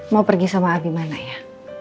mau pergi sama abimana ya